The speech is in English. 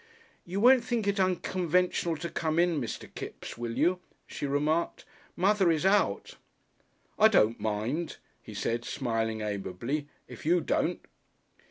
"You won't think it unconventional to come in, Mr. Kipps, will you?" she remarked. "Mother is out." "I don't mind," he said, smiling amiably, "if you don't."